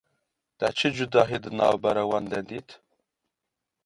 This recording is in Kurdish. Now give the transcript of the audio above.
Te çi cudahî di navbera wan de dît?